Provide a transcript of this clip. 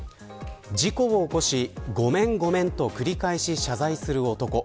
事故を起こしごめんごめんと繰り返し謝罪する男。